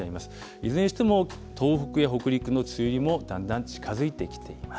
いずれにしても東北や北陸の梅雨入りも、だんだん近づいてきています。